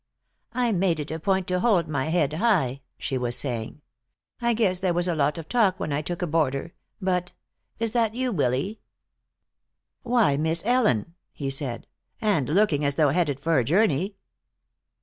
"I make it a point to hold my head high," she was saying. "I guess there was a lot of talk when I took a boarder, but Is that you, Willy?" "Why, Miss Ellen!" he said. "And looking as though headed for a journey!"